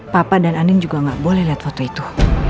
papa dan anin juga gak boleh liat foto itu